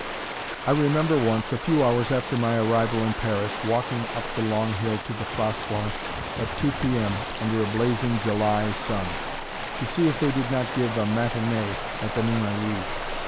I remember once, a few hours after my arrival in Paris, walking up the long hill to the Place Blanche at 2 P.M., under a blazing July sun, to see if they did not give a matinée at the "Moulin Rouge."